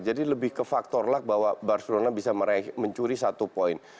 jadi lebih ke faktor luck bahwa barcelona bisa mencuri satu poin